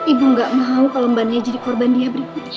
ibu nggak mau kalau mbak naya jadi korban dia berikutnya